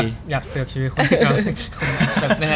ก็อยากเสือกชีวิตคุณภิกัม